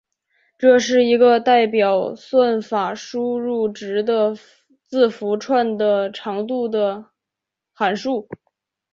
这是一个代表算法输入值的字符串的长度的函数。